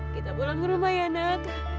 kita pulang ke rumah ya nak